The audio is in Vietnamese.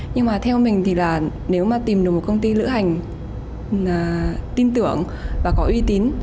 nhưng mà theo mình thì là nếu mà tìm được một công ty lữ hành tin tưởng và có uy tín